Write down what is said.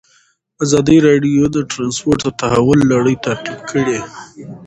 ازادي راډیو د ترانسپورټ د تحول لړۍ تعقیب کړې.